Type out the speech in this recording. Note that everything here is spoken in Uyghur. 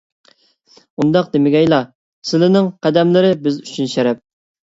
ئۇنداق دېمىگەيلا. سىلىنىڭ قەدەملىرى بىز ئۈچۈن شەرەپ!